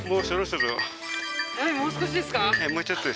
もう少しですか？